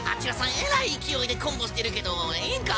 えらい勢いでコンボしてるけどええんか？